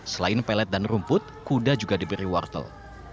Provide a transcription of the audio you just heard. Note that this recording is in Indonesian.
selain pelet dan rumput kuda juga diberi wortel